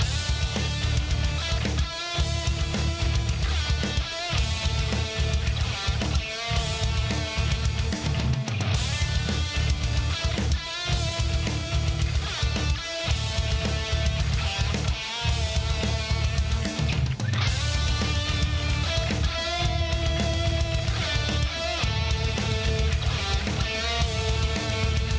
สวัสดีครับสวัสดีครับสวัสดีครับ